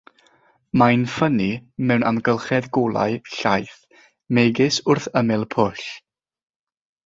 Mae'n ffynnu mewn amgylchedd golau, llaith, megis wrth ymyl pwll.